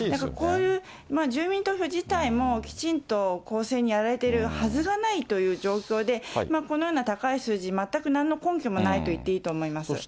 こういう住民投票自体も、きちんと公正にやられているはずがないという状況で、このような高い数字、全くなんの根拠もないといっていいと思います。